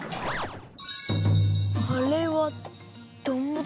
あれはどんぶり？